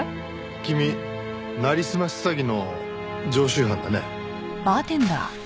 君なりすまし詐欺の常習犯だね。